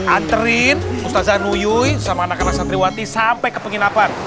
anterin mustazah nuyu sama anak anak santriwati sampai ke penginapan